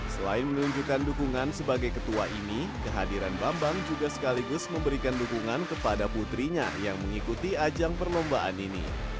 selain menunjukkan dukungan sebagai ketua ini kehadiran bambang juga sekaligus memberikan dukungan kepada putrinya yang mengikuti ajang perlombaan ini